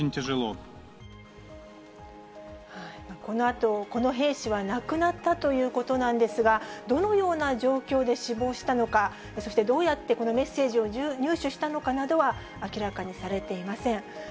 このあと、この兵士は亡くなったということなんですが、どのような状況で死亡したのか、そしてどうやってこのメッセージを入手したのかなどは明らかにされていません。